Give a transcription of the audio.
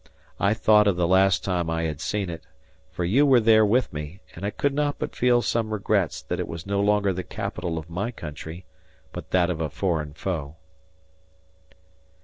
I thought of the last time I had seen it, for you were there with me, and I could not but feel some regrets that it was no longer the Capitol of my Country, but that of a foreign foe.